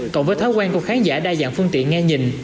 cộng với thói quen của khán giả đa dạng phương tiện nghe nhìn